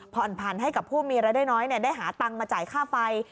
ผ่อนผันให้กับผู้มีรายได้น้อยได้หาตังค์มาจ่ายค่าไฟ